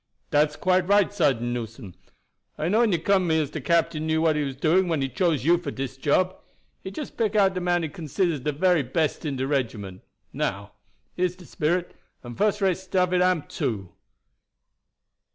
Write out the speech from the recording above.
"Dat's quite right, Sergeant Newson. I knew when you came to have me as de captain knew what he was doing when he choose you for dis job. He just pick out de man he considers de very best in de regiment. Now, here is de spirit; and fuss rate stuff it am, too."